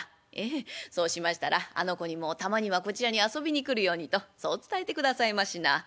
「ええそうしましたらあの子にもたまにはこちらに遊びに来るようにとそう伝えてくださいましな」。